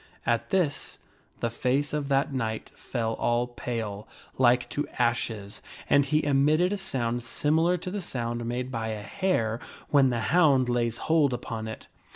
At this, the face of that knight fell all pale, like to ashes, and he emitted a sound similar to the sound made by a hare when the hound lays hoi upon it.